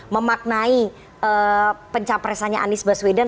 memaknai pencapresannya anies baswedan